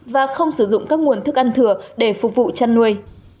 và không sử dụng các nguồn thức ăn thừa để phục vụ chăn nuôi